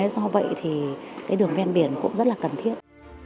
do vậy thì đường vét biển cũng rất là cần thiết